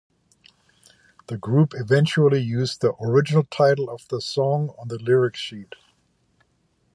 The group eventually used the original title of the song on the lyrics sheet.